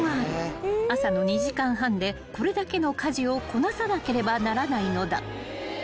［朝の２時間半でこれだけの家事をこなさなければならないのだ］